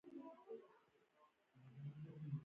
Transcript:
په نولس سوه اویا کال کې دا شمېره ډېره ورسېده.